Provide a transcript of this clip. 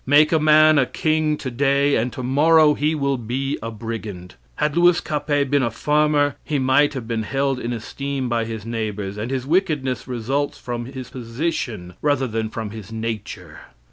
Make a man a king today and tomorrow he will be a brigand. Had Louis Capet been a farmer, he might have been held in esteem by his neighbors, and his wickedness results from his position rather than from his nature.